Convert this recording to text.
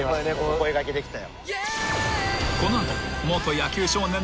お声掛けできたよ。